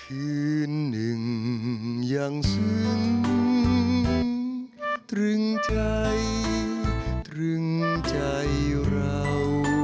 คืนหนึ่งยังซึ้งตรึงใจตรึงใจเรา